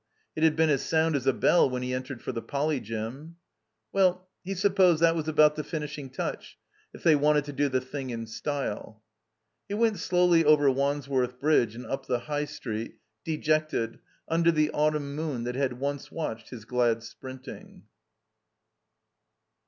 It had been as sound as a bell when he entered for the Poly. Gsnn. Well, he supposed that was about the finishing touch — ^if they wanted to do the thing in style. He went slowly over Wandsworth Bridge and up the High Street, dejected, under the autumn moon that had once watched his glad sprinting.